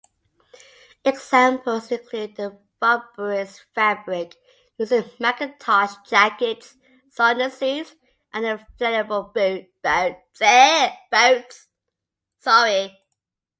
Examples include the rubberised fabric used in Mackintosh jackets, sauna suits and inflatable boats.